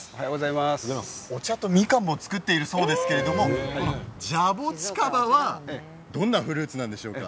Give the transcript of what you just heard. お茶と、みかんも作っているそうですけれどもジャボチカバはどんなフルーツなんでしょうか？